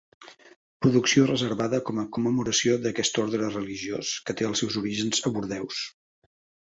Producció reservada com a commemoració d'aquest orde religiós que té els seus orígens en Bordeus.